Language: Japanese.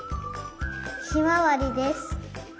ひまわりです。